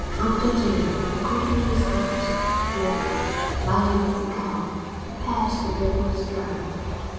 After dinner, according to his habit, Walker, lighting his cigar, prepared to go for a stroll.